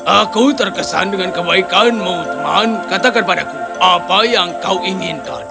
aku terkesan dengan kebaikanmu teman katakan padaku apa yang kau inginkan